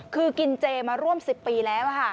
คือกินเจมาร่วมสิบปีแล้วค่ะ